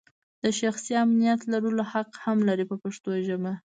د شخصي امنیت لرلو حق هم لري په پښتو ژبه.